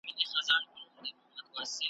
خو ټوټې یې تر میلیون وي رسېدلي ,